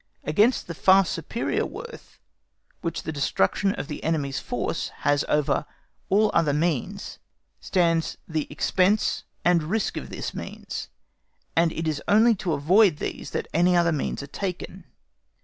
Against the far superior worth which the destruction of the enemy's armed force has over all other means stands the expense and risk of this means, and it is only to avoid these that any other means are taken.